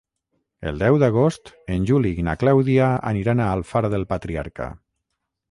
El deu d'agost en Juli i na Clàudia aniran a Alfara del Patriarca.